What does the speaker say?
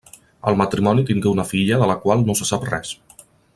El matrimoni tingué una filla, de la qual no se sap res.